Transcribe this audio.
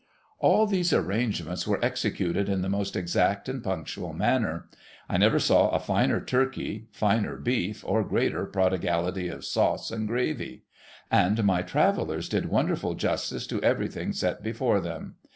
All these arrangements were executed in the most exact and punctual manner. I never saw a finer turkey, finer beef, or greater prodigality of sauce and gravy ; and my Travellers did wonderful justice to everything set before them.